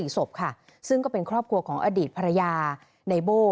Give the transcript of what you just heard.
๔ศพค่ะซึ่งก็เป็นครอบครัวของอดีตภรรยาในโบ้